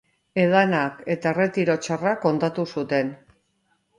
Edanak eta erretiro txarrak hondatu zuten.